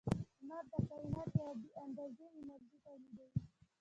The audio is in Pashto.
• لمر د کائنات یوه بې اندازې انرژي تولیدوي.